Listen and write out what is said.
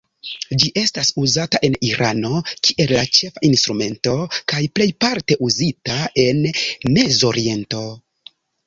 Ĝi estas uzata en Irano kiel la ĉefa instrumento kaj plejparte uzita en Mezoriento.